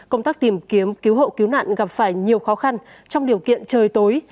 công tác tìm kiếm cứu hộ cứu nạn gặp phải nhiều khó khăn trong điều kiện trời tối